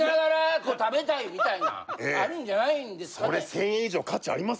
みたいなあるんじゃないんですかね？